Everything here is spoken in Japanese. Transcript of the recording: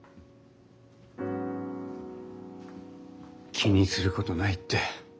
気にすることないって。